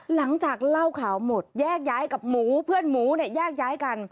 หลังจากเล่าข่าวหมดแยกย้ายกับหมูเพื่อนหมูเนี่ยแยกย้ายกัน